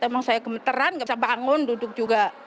emang saya kemeteran enggak bisa bangun duduk juga